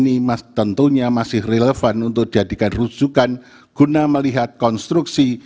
yang digagas oleh friedman dan saat ini tentunya masih relevan untuk dijadikan rujukan guna melihat konstruksi